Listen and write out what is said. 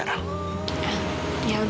memang mungkin itu